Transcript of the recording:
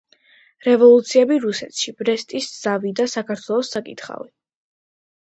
რევოლუციები რუსეთში. ბრესტის ზავი და საქართველოს საკითხავი